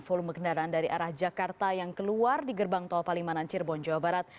volume kendaraan dari arah jakarta yang keluar di gerbang tol palimanan cirebon jawa barat